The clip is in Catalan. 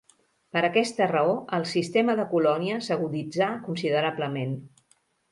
Per aquesta raó, el sistema de colònia s'aguditzà considerablement.